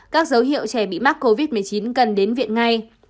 các dấu hiệu trẻ bị mắc covid một mươi chín cần đến viện ngay